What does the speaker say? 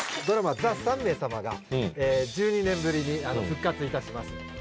ドラマ「ＴＨＥ３名様」が１２年ぶりに復活いたします